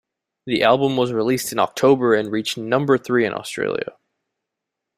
The album was released in October and reached number three in Australia.